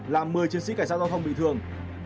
làm một mươi chiến sĩ cảnh sát giao thông bị thương